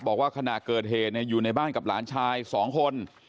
บอกว่าขณะเกิดเหตุอยู่ในบ้านกับหลานชาย๒คน